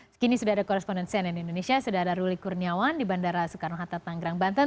sekini sudah ada koresponden cnn indonesia sudah ada ruli kurniawan di bandara soekarno hatta tanggerang banten